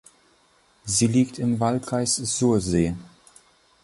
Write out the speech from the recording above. Sie liegt im Wahlkreis Sursee.